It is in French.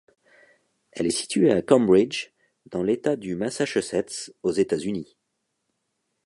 Elle est située à Cambridge, dans l'État du Massachusetts, aux États-Unis.